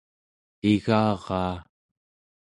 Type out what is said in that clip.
igaraa